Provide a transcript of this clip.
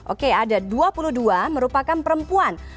oke ada dua puluh dua merupakan perempuan